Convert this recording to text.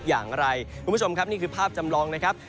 อย่างไรคุณผู้ชมครับนี่คือภาพจำลองนะครับ